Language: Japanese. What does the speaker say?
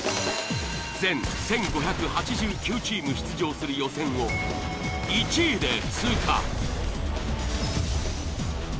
全１，５８９チーム出場する予選を１位で通過。